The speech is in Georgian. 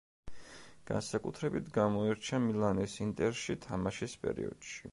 განსაკუთრებით გამოირჩა მილანის „ინტერში“ თამაშის პერიოდში.